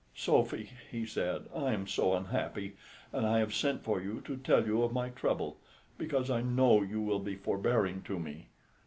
"Sophy," he said, "I am so unhappy, and I have sent for you to tell you of my trouble, because I know you will be forbearing to me.